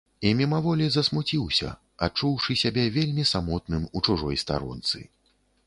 І мімаволі засмуціўся, адчуўшы сябе вельмі самотным у чужой старонцы.